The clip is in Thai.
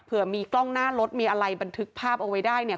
มีกล้องหน้ารถมีอะไรบันทึกภาพเอาไว้ได้เนี่ย